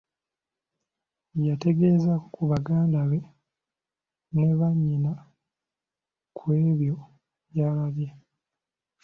Yategeezaako ku baganda be ne bannyina ku ebyo by’alabye!